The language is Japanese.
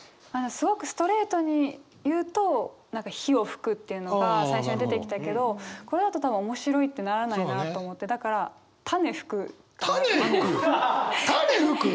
すごくストレートに言うと「火を吹く」っていうのが最初に出てきたけどこれだと多分面白いってならないなと思ってだから「種吹く」。